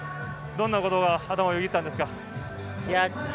どんなことが頭をよぎったんですか。